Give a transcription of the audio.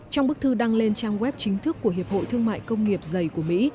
trong bức thư đăng lên trang web chính thức của hiệp hội thương mại công nghiệp giày của mỹ